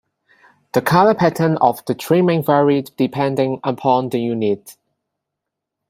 The color pattern of the trimming varied depending upon the unit.